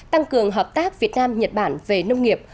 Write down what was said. tăng cường hợp tác việt nam nhật bản về nông nghiệp